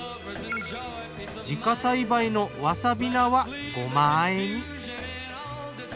自家栽培のわさび菜はゴマ和えに。